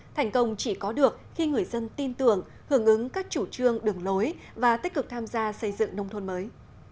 thành công chỉ có được khi người dân tin tưởng hưởng ứng các chủ trương đường lối và tích cực tham gia xây dựng nông thôn mới